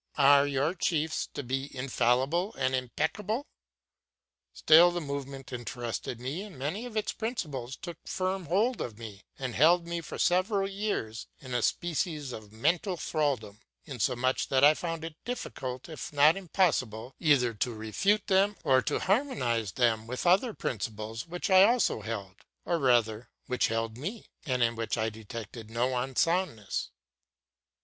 Are your chiefs to be infallible and impeccable? Still the movement interested me, and many of its principles took firm hold of me and held me for years in a species of mental thraldom; insomuch that I found it difficult, if not impossible, either to refute them or to harmonize them with other principles which I also held, or rather which held me, and in which I detected no unsoundness.